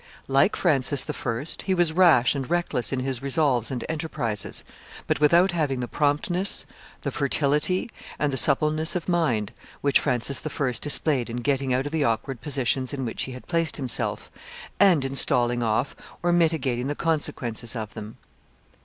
Like Francis I., he was rash and reckless in his resolves and enterprises, but without having the promptness, the fertility, and the suppleness of mind which Francis I. displayed in getting out of the awkward positions in which he had placed himself, and in stalling off or mitigating the consequences of them.